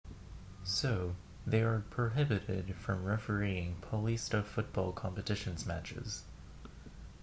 So, they are prohibited from refereeing Paulista football competitions matches.